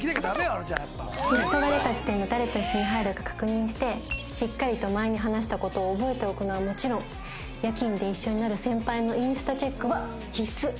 シフトが出た時点で誰と一緒に入るか確認してしっかりと前に話した事を覚えておくのはもちろん夜勤で一緒になる先輩のインスタチェックは必須！